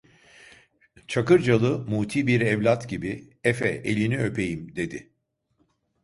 Çakırcalı muti bir evlat gibi: - Efe elini öpeyim dedi.